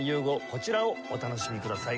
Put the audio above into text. こちらをお楽しみください。